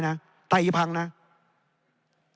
ในทางปฏิบัติมันไม่ได้